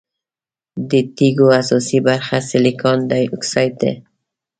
د تیږو اساسي برخه سلیکان ډای اکسايډ ده.